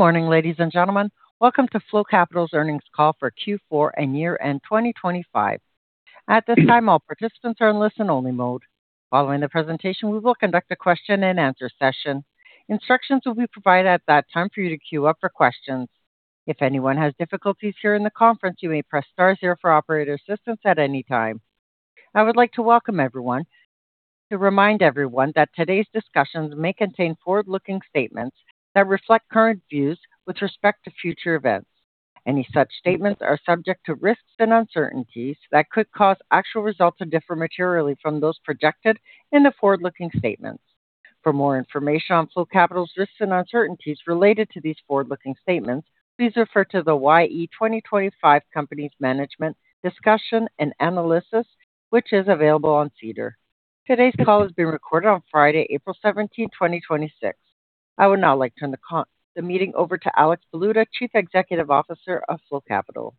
Good morning, ladies and gentlemen. Welcome to Flow Capital's earnings call for Q4 and year-end 2025. At this time, all participants are in listen-only mode. Following the presentation, we will conduct a question-and-answer session. Instructions will be provided at that time for you to queue up for questions. If anyone has difficulties hearing the conference, you may press star zero for operator assistance at any time. I would like to welcome everyone, to remind everyone that today's discussions may contain forward-looking statements that reflect current views with respect to future events. Any such statements are subject to risks and uncertainties that could cause actual results to differ materially from those projected in the forward-looking statements. For more information on Flow Capital's risks and uncertainties related to these forward-looking statements, please refer to the Y/E 2025 company's management discussion and analysis, which is available on SEDAR. Today's call is being recorded on Friday, April 17th, 2026. I would now like to turn the meeting over to Alex Baluta, Chief Executive Officer of Flow Capital.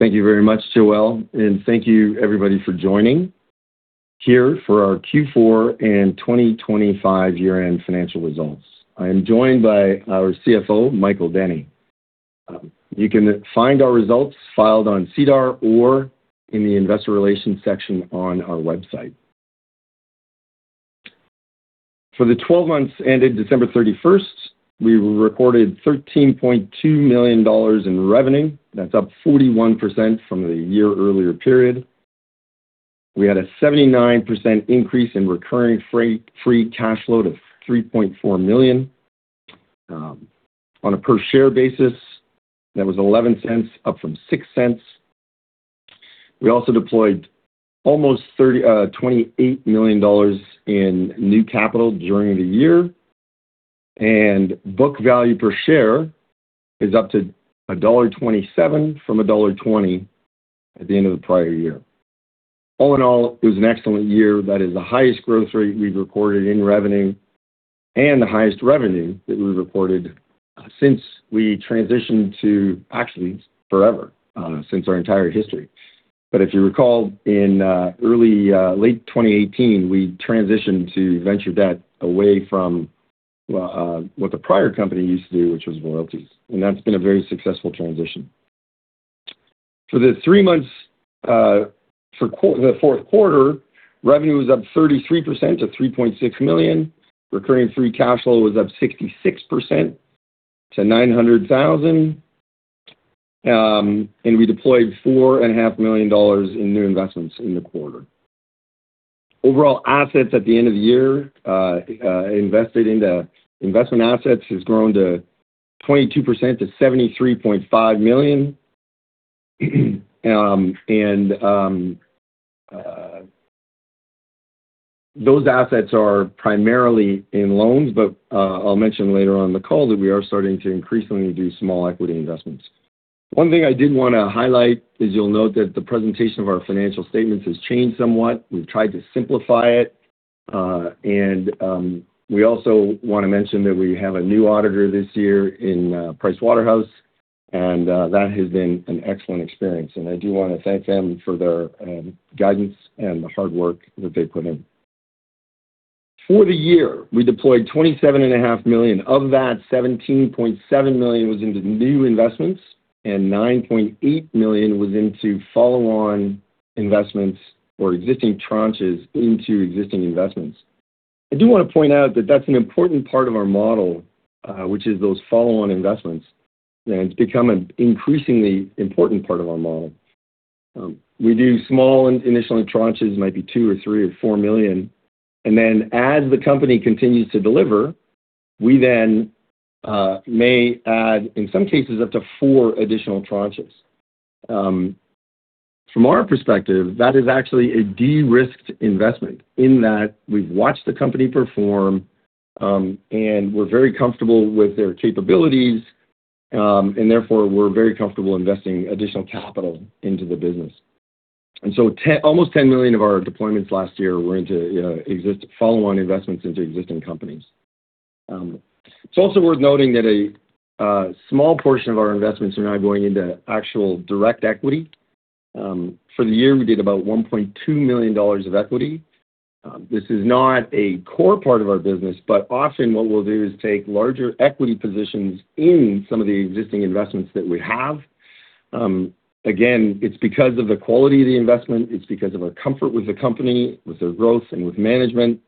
Thank you very much, Joelle, and thank you, everybody, for joining here for our Q4 and 2025 year-end financial results. I am joined by our CFO, Michael Denny. You can find our results filed on SEDAR or in the investor relations section on our website. For the 12 months ended December 31st, we recorded 13.2 million dollars in revenue. That's up 41% from the year-earlier period. We had a 79% increase in recurring free cash flow to 3.4 million. On a per share basis, that was 0.11, up from 0.06. We also deployed almost 28 million dollars in new capital during the year. Book value per share is up to dollar 1.27 from dollar 1.20 at the end of the prior year. All in all, it was an excellent year. That is the highest growth rate we've recorded in revenue and the highest revenue that we've reported since we transitioned to, actually, forever, since our entire history. If you recall, in late 2018, we transitioned to venture debt away from what the prior company used to do, which was royalties. That's been a very successful transition. For the three months, for the fourth quarter, revenue was up 33% to 3.6 million. Recurring free cash flow was up 66% to 900,000. We deployed 4.5 million dollars in new investments in the quarter. Overall assets at the end of the year, invested into investment assets has grown to 22% to CAD 73.5 million. Those assets are primarily in loans, but, I'll mention later on in the call that we are starting to increasingly do small equity investments. One thing I did want to highlight is you'll note that the presentation of our financial statements has changed somewhat. We've tried to simplify it. We also want to mention that we have a new auditor this year in PricewaterhouseCoopers, and that has been an excellent experience, and I do want to thank them for their guidance and the hard work that they put in. For the year, we deployed 27.5 million. Of that, 17.7 million was into new investments and 9.8 million was into follow-on investments or existing tranches into existing investments. I do want to point out that that's an important part of our model, which is those follow-on investments. It's become an increasingly important part of our model. We do small initial tranches, might be 2 or 3 or 4 million. As the company continues to deliver, we then may add, in some cases, up to four additional tranches. From our perspective, that is actually a de-risked investment in that we've watched the company perform, and we're very comfortable with their capabilities, and therefore, we're very comfortable investing additional capital into the business. Almost 10 million of our deployments last year were into follow-on investments into existing companies. It's also worth noting that a small portion of our investments are now going into actual direct equity. For the year, we did about 1.2 million dollars of equity. This is not a core part of our business, but often what we'll do is take larger equity positions in some of the existing investments that we have. Again, it's because of the quality of the investment. It's because of our comfort with the company, with their growth, and with management.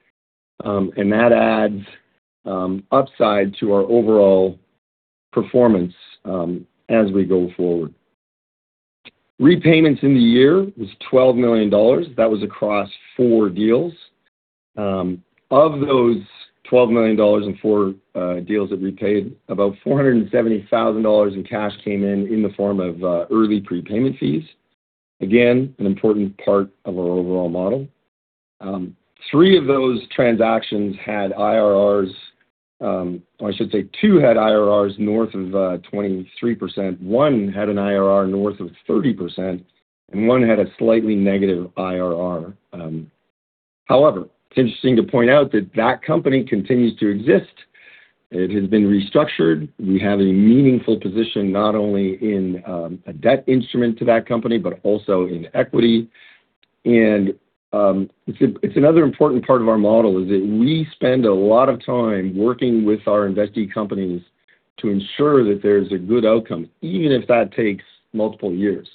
That adds upside to our overall performance as we go forward. Repayments in the year was 12 million dollars. That was across four deals. Of those 12 million dollars in four deals that repaid, about 470,000 dollars in cash came in the form of early prepayment fees. Again, an important part of our overall model. Three of those transactions had IRRs, I should say two had IRRs north of 23%, one had an IRR north of 30%, and one had a slightly negative IRR. However, it's interesting to point out that that company continues to exist. It has been restructured. We have a meaningful position not only in a debt instrument to that company, but also in equity. It's another important part of our model is that we spend a lot of time working with our investee companies to ensure that there's a good outcome, even if that takes multiple years.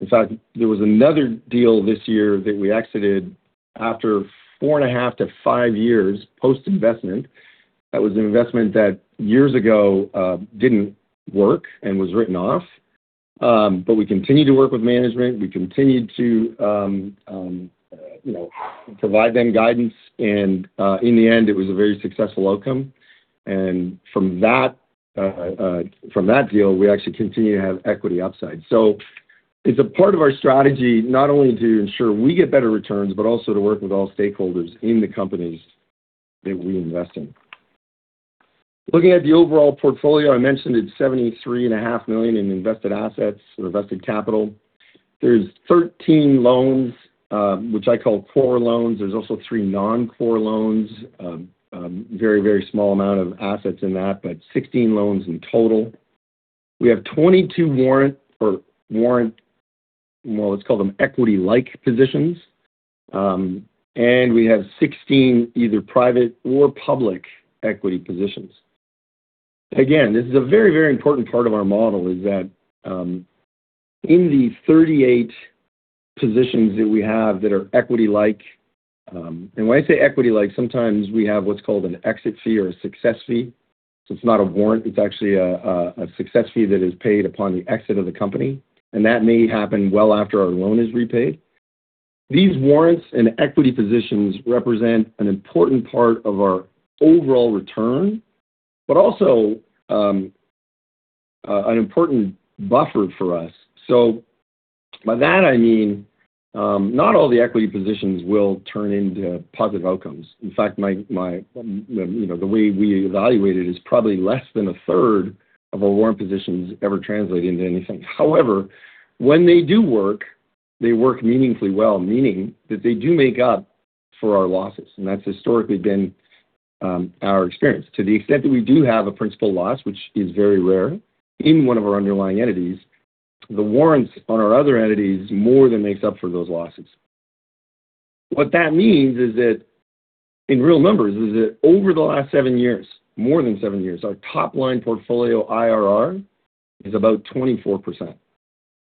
In fact, there was another deal this year that we exited after 4.5-5 years post-investment. That was an investment that years ago didn't work and was written off. We continued to work with management. We continued to provide them guidance, and in the end, it was a very successful outcome. From that deal, we actually continue to have equity upside. It's a part of our strategy not only to ensure we get better returns, but also to work with all stakeholders in the companies that we invest in. Looking at the overall portfolio, I mentioned it's 73.5 million in invested assets or invested capital. There are 13 loans, which I call core loans. There are also three non-core loans. Very, very small amount of assets in that, but 16 loans in total. We have 22 warrant, well, let's call them equity-like positions. We have 16 either private or public equity positions. Again, this is a very, very important part of our model is that in the 38 positions that we have that are equity-like, and when I say equity-like, sometimes we have what's called an exit fee or a success fee. It's not a warrant; it's actually a success fee that is paid upon the exit of the company. That may happen well after our loan is repaid. These warrants and equity positions represent an important part of our overall return, but also an important buffer for us. By that I mean, not all the equity positions will turn into positive outcomes. In fact, the way we evaluate it is probably less than a third of our warrant positions ever translate into anything. However, when they do work, they work meaningfully well, meaning that they do make up for our losses, and that's historically been our experience. To the extent that we do have a principal loss, which is very rare, in one of our underlying entities, the warrants on our other entities more than makes up for those losses. What that means is that in real numbers, over the last seven years, more than seven years, our top-line portfolio IRR is about 24%.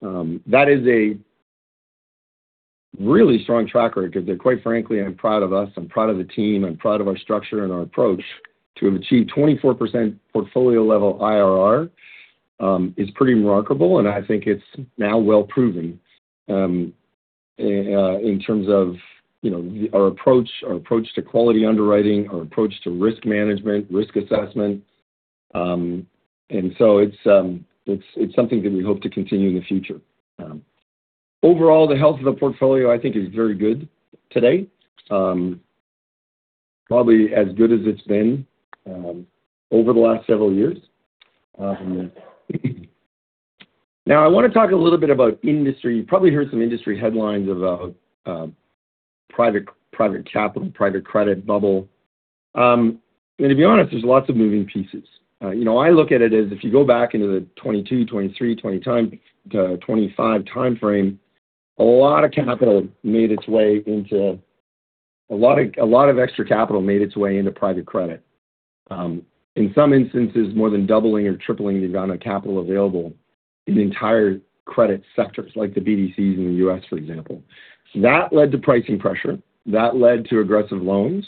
That is a really strong track record that, quite frankly, I'm proud of us, I'm proud of the team, I'm proud of our structure and our approach. To have achieved 24% portfolio-level IRR, is pretty remarkable, and I think it's now well-proven, in terms of our approach to quality underwriting, our approach to risk management, risk assessment. It's something that we hope to continue in the future. Overall, the health of the portfolio, I think, is very good today. Probably as good as it's been over the last several years. Now, I want to talk a little bit about industry. You probably heard some industry headlines about private capital, private credit bubble. To be honest, there's lots of moving pieces. I look at it as if you go back into the 2022, 2023, 2025 timeframe, a lot of extra capital made its way into private credit. In some instances, more than doubling or tripling the amount of capital available in entire credit sectors, like the BDCs in the U.S., for example. That led to pricing pressure. That led to aggressive loans.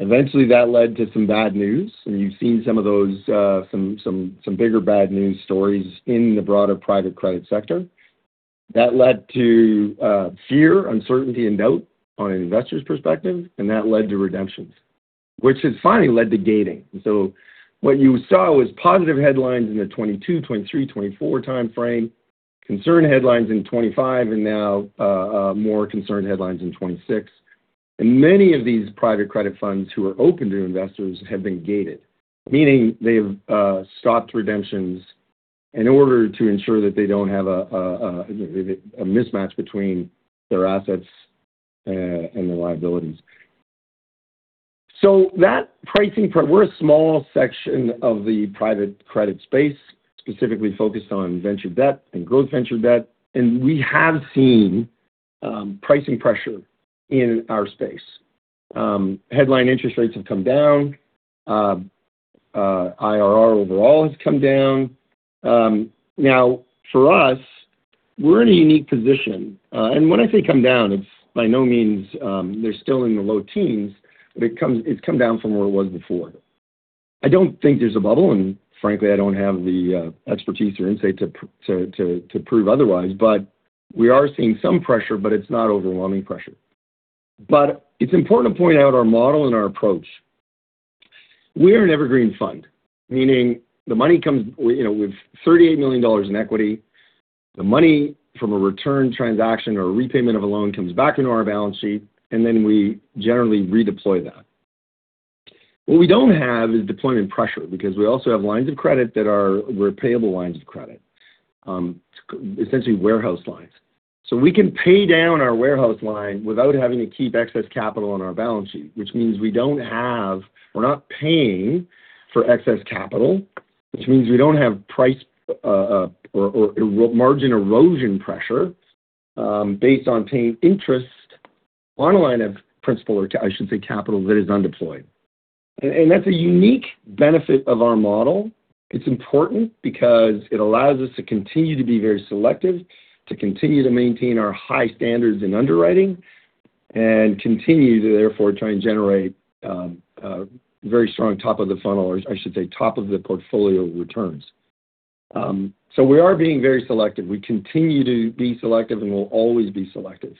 Eventually, that led to some bad news, and you've seen some of those bigger bad news stories in the broader private credit sector. That led to fear, uncertainty, and doubt on an investor's perspective, and that led to redemptions, which has finally led to gating. What you saw was positive headlines in the 2022, 2023, 2024 timeframe, concern headlines in 2025, and now more concern headlines in 2026. Many of these private credit funds who are open to investors have been gated, meaning they've stopped redemptions in order to ensure that they don't have a mismatch between their assets and their liabilities. We're a small section of the private credit space, specifically focused on venture debt and growth venture debt, and we have seen pricing pressure in our space. Headline interest rates have come down. IRR overall has come down. Now, for us, we're in a unique position. When I say come down, it's by no means, they're still in the low teens, but it's come down from where it was before. I don't think there's a bubble, and frankly, I don't have the expertise or insight to prove otherwise. We are seeing some pressure, but it's not overwhelming pressure. It's important to point out our model and our approach. We are an evergreen fund. With 38 million dollars in equity, the money from a return transaction or a repayment of a loan comes back into our balance sheet, and then we generally redeploy that. What we don't have is deployment pressure because we also have lines of credit that are repayable lines of credit. Essentially, warehouse lines. We can pay down our warehouse line without having to keep excess capital on our balance sheet, which means we're not paying for excess capital, which means we don't have price or margin erosion pressure based on paying interest on a line of principal, or I should say, capital that is undeployed. That's a unique benefit of our model. It's important because it allows us to continue to be very selective, to continue to maintain our high standards in underwriting, and continue to therefore try and generate very strong top of the funnel or I should say, top of the portfolio returns. We are being very selective. We continue to be selective and will always be selective.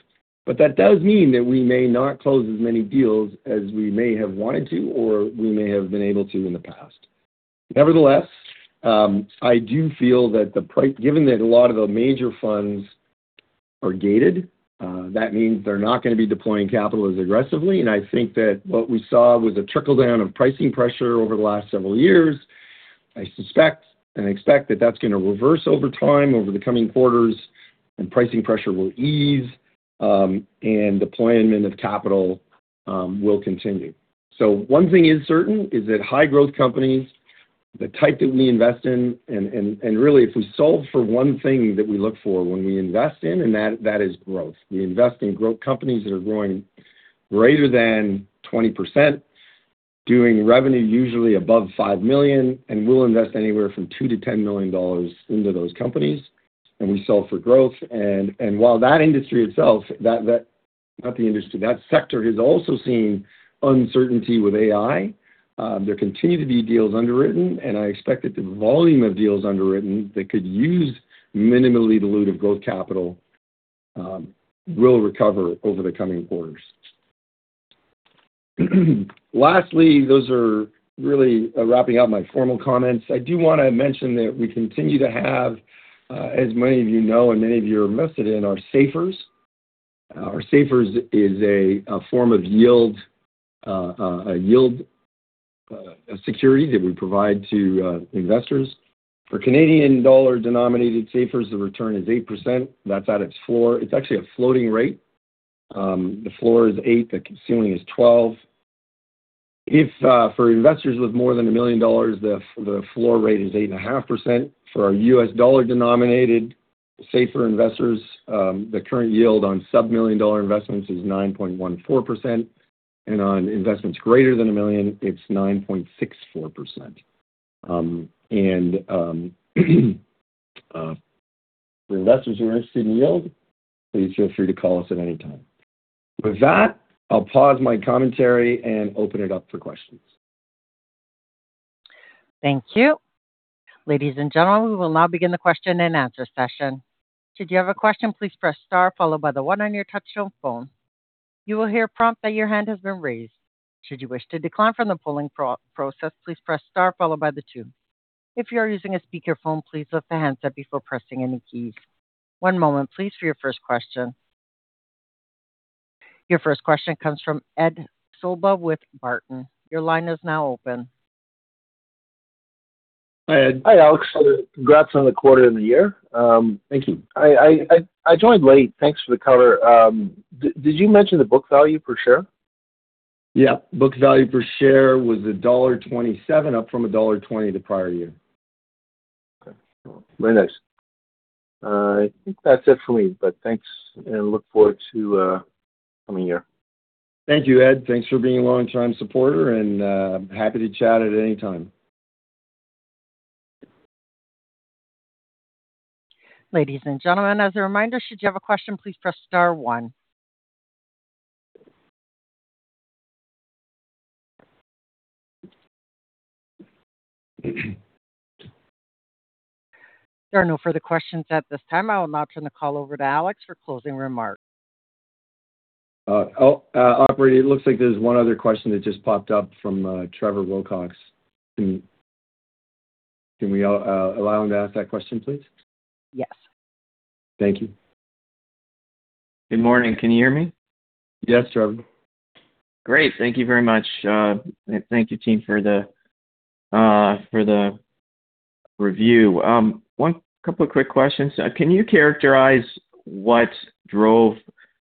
That does mean that we may not close as many deals as we may have wanted to or we may have been able to in the past. Nevertheless, I do feel that given that a lot of the major funds are gated, that means they're not going to be deploying capital as aggressively. I think that what we saw was a trickle-down of pricing pressure over the last several years. I suspect and expect that that's going to reverse over time, over the coming quarters, and pricing pressure will ease, and deployment of capital will continue. One thing is certain is that high growth companies, the type that we invest in, and really, if we solve for one thing that we look for when we invest in, and that is growth. We invest in growth companies that are growing greater than 20%, doing revenue usually above $5 million, and we'll invest anywhere from $2 million-$10 million into those companies, and we sell for growth. While that industry itself, not the industry, that sector has also seen uncertainty with AI, there continue to be deals underwritten, and I expect that the volume of deals underwritten that could use minimally dilutive growth capital will recover over the coming quarters. Lastly, those are really wrapping up my formal comments. I do want to mention that we continue to have, as many of you know and many of you are invested in, our SAFERs. Our SAFERs is a form of yield security that we provide to investors. For Canadian dollar-denominated SAFERs, the return is 8%. That's at its floor. It's actually a floating rate. The floor is 8%, the ceiling is 12%. If for investors with more than 1 million dollars, the floor rate is 8.5%. For our U.S. dollar-denominated SAFER investors, the current yield on sub-$1 million investments is 9.14%, and on investments greater than $1 million, it's 9.64%. For investors who are interested in yield, please feel free to call us at any time. With that, I'll pause my commentary and open it up for questions. Your first question comes from Ed Solba with Barton. Your line is now open. Hi, Ed. Hi, Alex. Congrats on the quarter and the year. Thank you. I joined late. Thanks for the cover. Did you mention the book value per share? Yeah. Book value per share was dollar 1.27, up from dollar 1.20 the prior year. Okay. Very nice. I think that's it for me, but thanks, and I look forward to coming here. Thank you, Ed. Thanks for being a longtime supporter and happy to chat at any time. Ladies and gentlemen, as a reminder, should you have a question, please press star one. There are no further questions at this time. I will now turn the call over to Alex for closing remarks. Operator, it looks like there's one other question that just popped up from Trevor Wilcox. Can we allow him to ask that question, please? Yes. Thank you. Good morning. Can you hear me? Yes, Trevor. Great. Thank you very much. Thank you, team, for the review. A couple of quick questions. Can you characterize what drove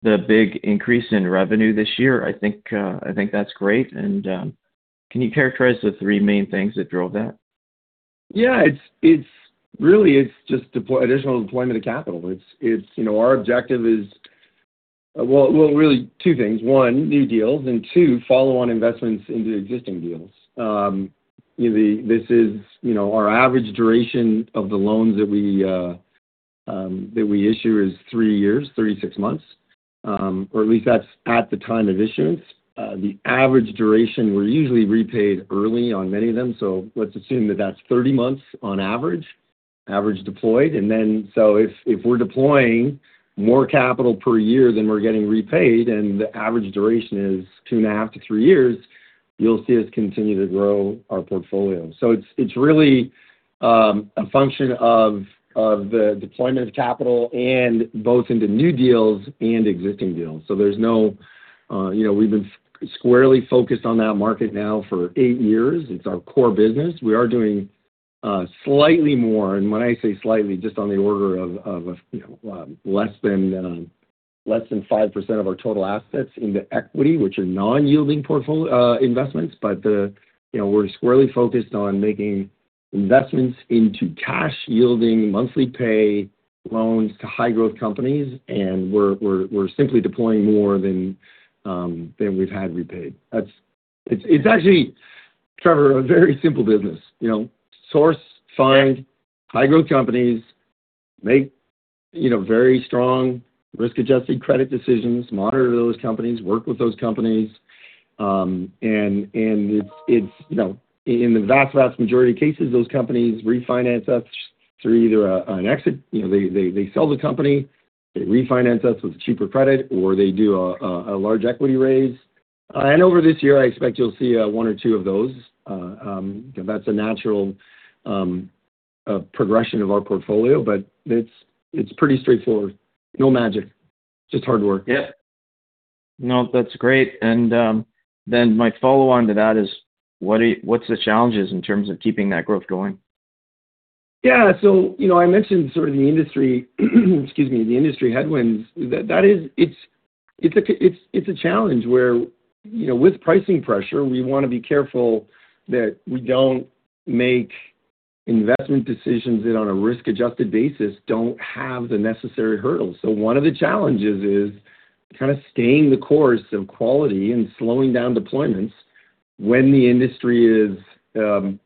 the big increase in revenue this year? I think that's great. Can you characterize the three main things that drove that? Yeah. Really, it's just additional deployment of capital. Our objective is, well, really two things. One, new deals, and two, follow-on investments into existing deals. This is our average duration of the loans that we issue is three years, 36 months, or at least that's at the time of issuance. The average duration, we're usually repaid early on many of them, so let's assume that that's 30 months on average deployed. If we're deploying more capital per year than we're getting repaid, and the average duration is 2.5-3 years, you'll see us continue to grow our portfolio. It's really a function of the deployment of capital, and both into new deals and existing deals. We've been squarely focused on that market now for eight years. It's our core business. We are doing slightly more, and when I say slightly, just on the order of less than 5% of our total assets into equity, which are non-yielding portfolio investments. We're squarely focused on making investments into cash-yielding monthly-pay loans to high-growth companies, and we're simply deploying more than we've had repaid. It's actually, Trevor, a very simple business. Source, find high-growth companies, make very strong risk-adjusted credit decisions, monitor those companies, work with those companies. In the vast majority of cases, those companies refinance us through either an exit, they sell the company, they refinance us with cheaper credit, or they do a large equity raise. Over this year, I expect you'll see one or two of those. That's a natural progression of our portfolio, but it's pretty straightforward. No magic, just hard work. Yep. No, that's great. My follow-on to that is what's the challenges in terms of keeping that growth going? Yeah. I mentioned the industry headwinds. It's a challenge where, with pricing pressure, we want to be careful that we don't make investment decisions that on a risk-adjusted basis, don't have the necessary hurdles. One of the challenges is kind of staying the course of quality and slowing down deployments when the industry is, I don't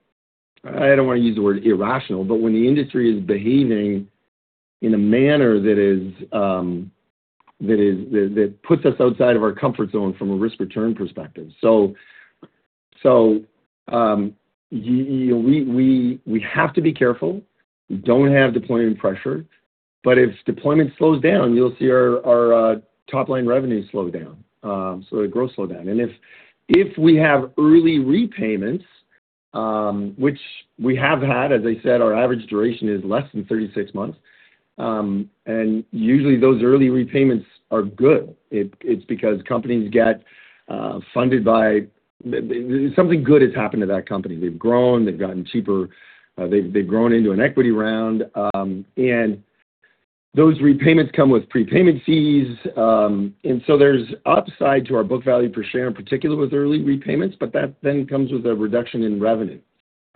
want to use the word irrational, but when the industry is behaving in a manner that puts us outside of our comfort zone from a risk-return perspective. We have to be careful. We don't have deployment pressure, but if deployment slows down, you'll see our top-line revenue slow down. The growth slow down. If we have early repayments, which we have had, as I said, our average duration is less than 36 months. Usually, those early repayments are good. It's because something good has happened to that company. They've grown, they've gotten cheaper, they've grown into an equity round. Those repayments come with prepayment fees. There's upside to our book value per share, in particular with early repayments, but that then comes with a reduction in revenue,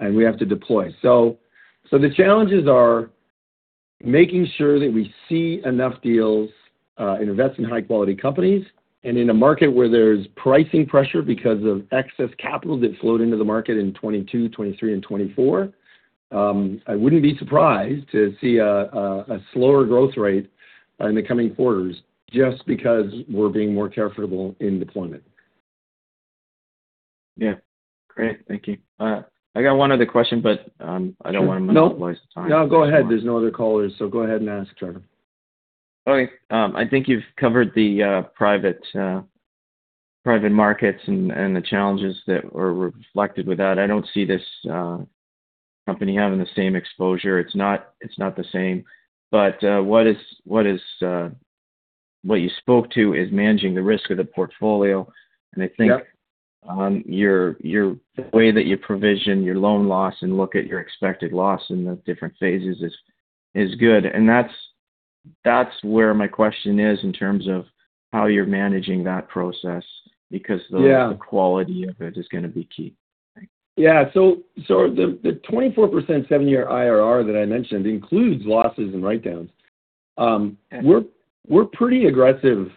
and we have to deploy. The challenges are making sure that we see enough deals and invest in high-quality companies, and in a market where there's pricing pressure because of excess capital that flowed into the market in 2022, 2023, and 2024. I wouldn't be surprised to see a slower growth rate in the coming quarters just because we're being more careful in deployment. Yeah. Great. Thank you. I got one other question, but I don't want to waste time. No, go ahead. There's no other callers, so go ahead and ask, Trevor. Okay. I think you've covered the private markets and the challenges that were reflected with that. I don't see this company having the same exposure. It's not the same. What you spoke to is managing the risk of the portfolio. Yep. I think the way that you provision your loan loss and look at your expected loss in the different phases is good. That's where my question is in terms of how you're managing that process because the- Yeah Quality of it is going to be key. Yeah. The 24% seven-year IRR that I mentioned includes losses and write-downs. We're pretty aggressive,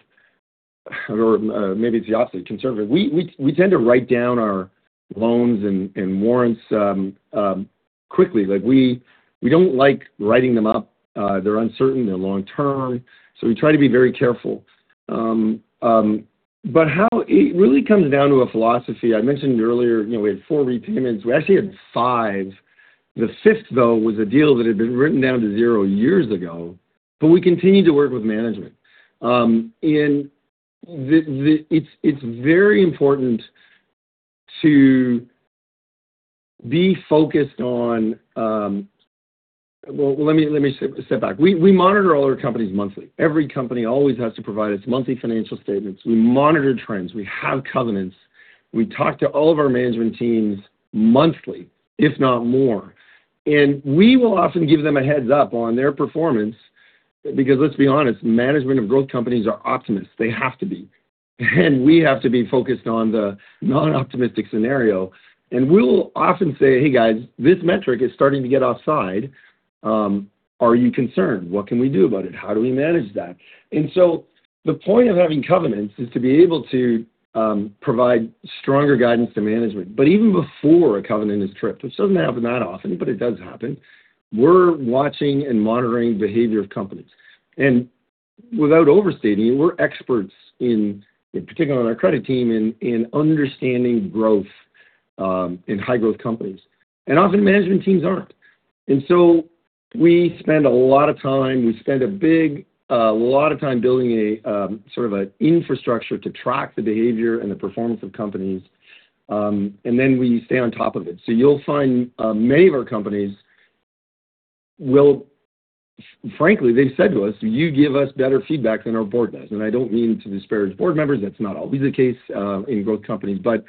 or maybe it's the opposite, conservative. We tend to write down our loans and warrants quickly. We don't like writing them up. They're uncertain. They're long-term. We try to be very careful. It really comes down to a philosophy. I mentioned earlier, we had four repayments. We actually had five. The fifth, though, was a deal that had been written down to zero years ago, but we continued to work with management. It's very important to be focused on. Well, let me step back. We monitor all our companies monthly. Every company always has to provide its monthly financial statements. We monitor trends. We have covenants. We talk to all of our management teams monthly, if not more. We will often give them a heads-up on their performance because let's be honest, management of growth companies are optimists. They have to be. We have to be focused on the non-optimistic scenario. We'll often say, "Hey guys, this metric is starting to get offside. Are you concerned? What can we do about it? How do we manage that?" The point of having covenants is to be able to provide stronger guidance to management. Even before a covenant is tripped, which doesn't happen that often, but it does happen. We're watching and monitoring behavior of companies. Without overstating, we're experts in, particularly on our credit team, in understanding growth in high-growth companies. Often, management teams aren't. We spend a lot of time, we spend a big lot of time building a sort of an infrastructure to track the behavior and the performance of companies, and then we stay on top of it. You'll find many of our companies will. Frankly, they said to us, "You give us better feedback than our board does." I don't mean to disparage board members. That's not always the case in growth companies, but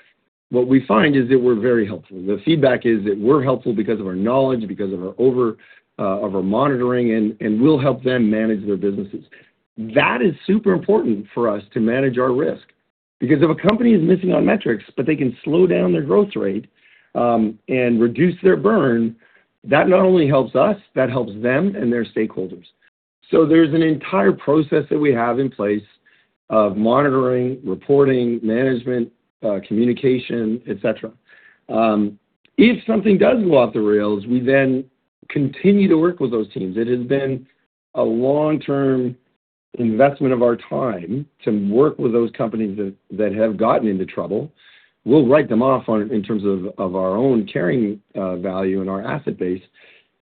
what we find is that we're very helpful. The feedback is that we're helpful because of our knowledge, because of our monitoring, and we'll help them manage their businesses. That is super important for us to manage our risk. If a company is missing on metrics, but they can slow down their growth rate and reduce their burn, that not only helps us, that helps them and their stakeholders. There's an entire process that we have in place of monitoring, reporting, management, communication, et cetera. If something does go off the rails, we then continue to work with those teams. It has been a long-term investment of our time to work with those companies that have gotten into trouble. We'll write them off in terms of our own carrying value and our asset base.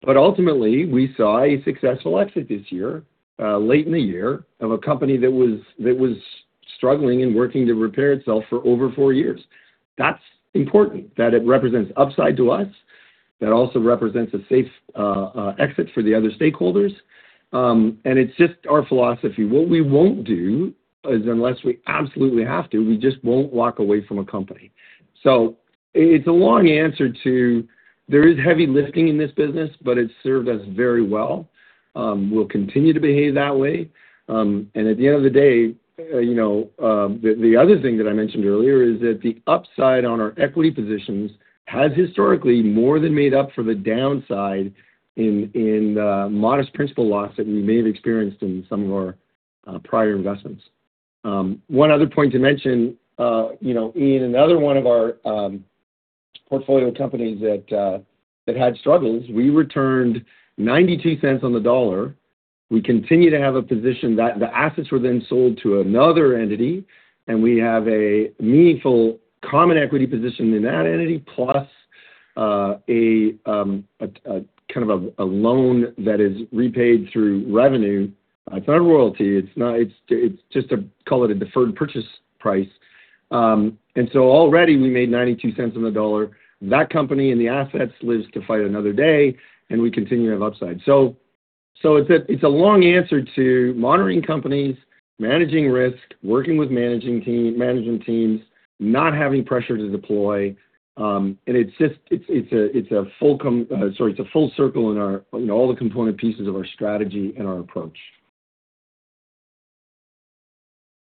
Ultimately, we saw a successful exit this year, late in the year, of a company that was struggling and working to repair itself for over four years. That's important, that it represents upside to us. That also represents a safe exit for the other stakeholders. It's just our philosophy. What we won't do is, unless we absolutely have to, we just won't walk away from a company. It's a long answer to, there is heavy lifting in this business, but it's served us very well. We'll continue to behave that way. At the end of the day, the other thing that I mentioned earlier is that the upside on our equity positions has historically more than made up for the downside in modest principal loss that we may have experienced in some of our prior investments. One other point to mention, in another one of our portfolio companies that had struggles, we returned 0.92 on the dollar. We continue to have a position. The assets were then sold to another entity, and we have a meaningful common equity position in that entity, plus a loan that is repaid through revenue. It's not a royalty, call it a deferred purchase price. Already we made 0.92 on the dollar. That company and the assets lives to fight another day, and we continue to have upside. It's a long answer to monitoring companies, managing risk, working with managing teams, not having pressure to deploy. It's a full circle in all the component pieces of our strategy and our approach.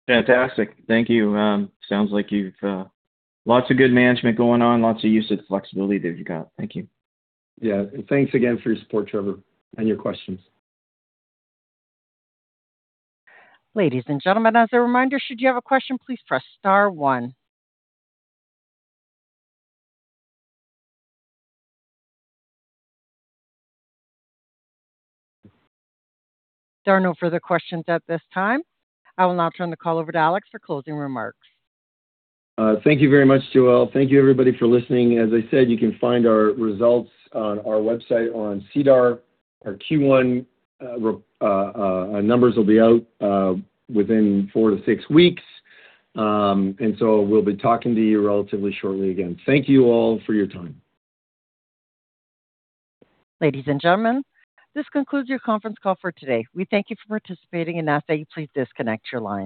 Fantastic. Thank you. Sounds like you've lots of good management going on, lots of use of the flexibility that you got. Thank you. Yeah. Thanks again for your support, Trevor, and your questions. Ladies and gentlemen, as a reminder, should you have a question, please press star one. There are no further questions at this time. I will now turn the call over to Alex for closing remarks. Thank you very much, Joelle. Thank you everybody for listening. As I said, you can find our results on our website on SEDAR. Our Q1 numbers will be out within 4-6 weeks. We'll be talking to you relatively shortly again. Thank you all for your time. Ladies and gentlemen, this concludes your conference call for today. We thank you for participating and ask that you please disconnect your line.